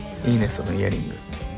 そのイヤリング。